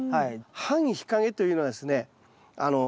半日陰というのはですね